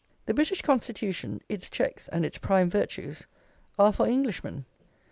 The British Constitution, its checks, and its prime virtues, are for Englishmen.